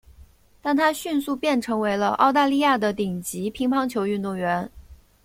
但她迅速变成为了澳大利亚的顶级乒乓球运动员。